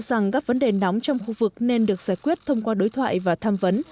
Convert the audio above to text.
rằng các vấn đề nóng trong khu vực nên được giải quyết thông qua đối thoại và tham vấn